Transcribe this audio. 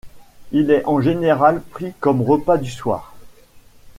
Il est en général pris comme repas du soir.